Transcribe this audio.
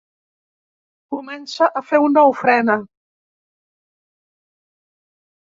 Comença a fer una ofrena.